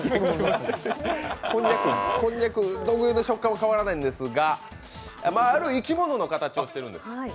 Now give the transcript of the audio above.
こんにゃく特有の食感は変わらないんですが、生き物の形をしてるんです。